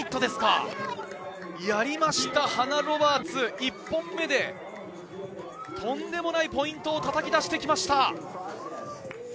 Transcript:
やりました、ハナ・ロバーツ、１本目でとんでもないポイントを叩き出してきました。